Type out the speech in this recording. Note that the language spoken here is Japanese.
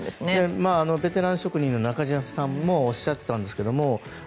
ベテラン職人の中島さんもおっしゃっていたんですけども